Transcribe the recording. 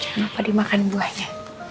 jangan lupa dimakan buahnya